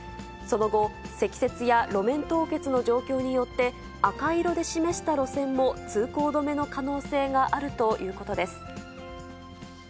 その後、積雪や路面凍結の状況によって、赤い色で示した路線も通行止めの可能性があるということです。